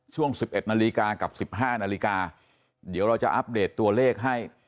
ช่วงสิบเอ็ดนาฬิกากับสิบห้านาฬิกาเดี๋ยวเราจะอัปเดตตัวเลขให้